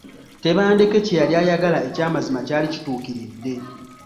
Tebandeke kye yali ayagala ekyamazima kyali kituukiridde.